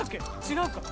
違うか。